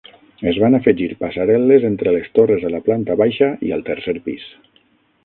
Es van afegir passarel·les entre les torres a la planta baixa i al tercer pis.